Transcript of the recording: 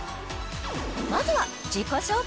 まずは自己紹介